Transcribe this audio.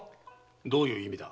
どういう意味だ？